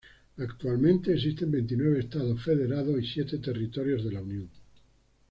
Actualmente existen veintinueve estados federados y siete territorios de la unión.